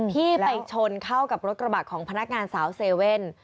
ที่ไปชนเข้ากับรถกระบะของพนักงานสาวเซเว่น